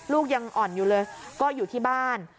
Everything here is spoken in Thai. ลูกยังอ่อนอยู่เลยก็อยู่ที่บ้าน